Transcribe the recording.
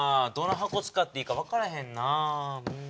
どの箱使っていいか分からへんなあ。